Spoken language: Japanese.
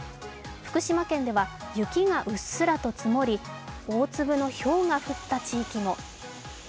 福島県では雪がうっすらと積もり大粒のひょうが降った地域も。